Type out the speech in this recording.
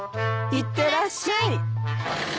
いってらっしゃい。